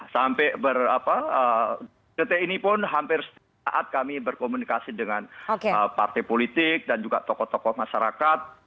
sampai berapa detik ini pun hampir setiap saat kami berkomunikasi dengan partai politik dan juga tokoh tokoh masyarakat